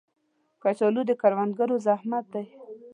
کچالو د کروندګرو زحمت دی